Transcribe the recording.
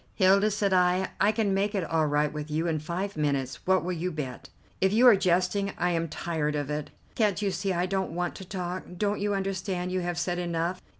"Hilda," said I, "I can make it all right with you in five minutes. What will you bet?" "If you are jesting, I am tired of it. Can't you see I don't want to talk. Don't you understand you have said enough?